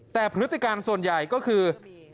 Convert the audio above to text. แต่พฤติการส่วนใหญ่ก็คือ